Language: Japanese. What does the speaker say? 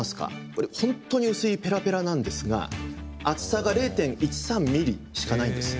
これ本当に薄いペラペラなんですが厚さが０．１３ｍｍしかないんです。